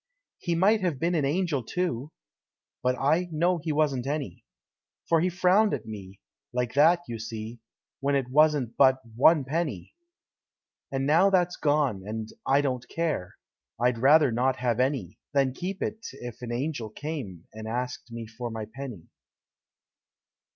He might have been an Angel, too! But I know he wasn't any. For he frowned at me, like that, you see, When it wasn't but One penny. And now that's gone; and I don't care. I'd rather not have any, Than keep it, if an Angel came And asked me for my penny.